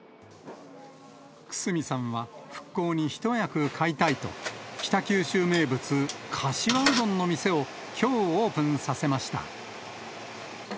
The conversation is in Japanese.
楠見さんは、復興に一役買いたいと、北九州名物、かしわうどんの店をきょう、オープンさせました。